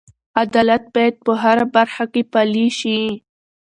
عدالت باید په هره برخه کې پلی شي.